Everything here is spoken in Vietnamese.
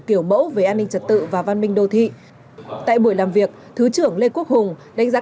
kiểu mẫu về an ninh trật tự và văn minh đô thị tại buổi làm việc thứ trưởng lê quốc hùng đánh giá